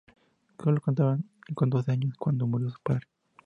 Sólo contaba con doce años cuando murió su padre.